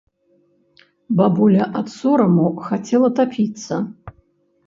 Бабуля ад сораму хацела тапіцца.